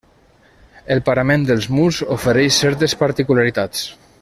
El parament dels murs ofereix certes particularitats.